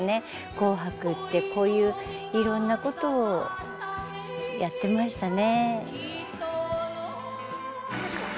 「紅白」ってこういういろんなことをやってましたね。